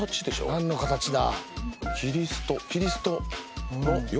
何の形だ？